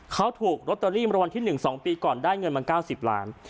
เขาถูกลอตเตอรี่มาวันที่๑๒ปีก่อนได้เงินมา๙๐ล้าน